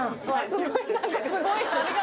すごい何かすごい。